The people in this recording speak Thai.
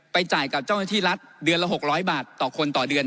จ่ายกับเจ้าหน้าที่รัฐเดือนละ๖๐๐บาทต่อคนต่อเดือน